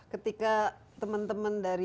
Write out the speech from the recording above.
ketika teman teman dari